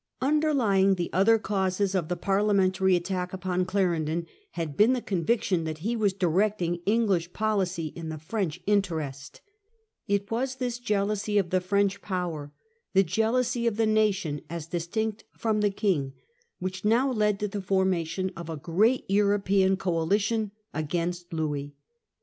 Underlying the other causes of the Parliamentary attack upon Clarendon had been the conviction that he English was directing English policy in the French jealousy of interest. It was this jealousy of the French ranee. power, the jealousy of the nation as distinct from the King, which now led to the formation of a great European coalition against Louis.